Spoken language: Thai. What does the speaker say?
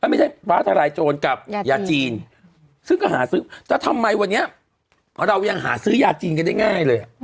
ไม่ได้ฟ้าทลายโจรกับยาจีนซึ่งก็หาซื้อแต่ทำไมวันนี้เรายังหาซื้อยาจีนกันได้ง่ายเลย